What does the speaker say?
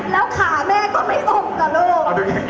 แล้วขาแม่ก็ไม่อมกับลูก